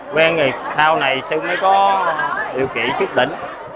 quen thì sau này sư mới có điều kỹ chức lĩnh